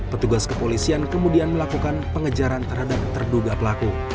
petugas kepolisian kemudian melakukan pengejaran terhadap terduga pelaku